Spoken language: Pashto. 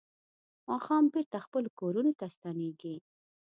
ماښام بېرته خپلو کورونو ته ستنېږي.